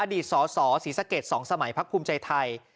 อดีตสอสอศรีสะเกียจสองสมัยพรรคภูมิใจไทย